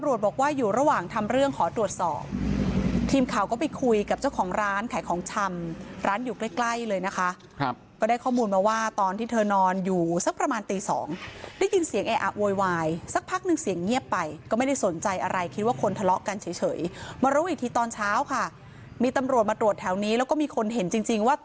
บอกว่าอยู่ระหว่างทำเรื่องขอตรวจสอบทีมข่าวก็ไปคุยกับเจ้าของร้านขายของชำร้านอยู่ใกล้ใกล้เลยนะคะครับก็ได้ข้อมูลมาว่าตอนที่เธอนอนอยู่สักประมาณตีสองได้ยินเสียงเออะโวยวายสักพักหนึ่งเสียงเงียบไปก็ไม่ได้สนใจอะไรคิดว่าคนทะเลาะกันเฉยมารู้อีกทีตอนเช้าค่ะมีตำรวจมาตรวจแถวนี้แล้วก็มีคนเห็นจริงว่าต